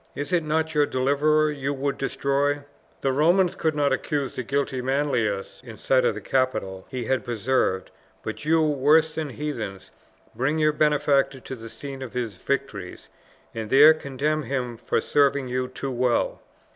"Is it not your deliverer you would destroy? The Romans could not accuse the guilty Manlius in sight of the capitol he had preserved, but you, worse than heathens, bring your benefactor to the scene of his victories, and there condemn him for serving you too well!